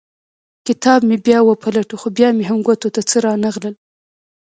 کتاب مې بیا وپلټه خو بیا مې هم ګوتو ته څه رانه غلل.